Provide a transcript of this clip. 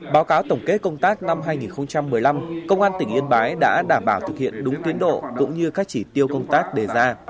báo cáo tổng kết công tác năm hai nghìn một mươi năm công an tỉnh yên bái đã đảm bảo thực hiện đúng tiến độ cũng như các chỉ tiêu công tác đề ra